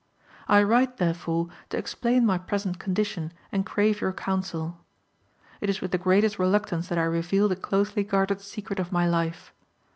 I write, therefore, to explain my present condition and crave your counsel. It is with the greatest reluctance that I reveal the closely guarded secret of my life.